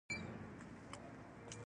باور مې نه کېده.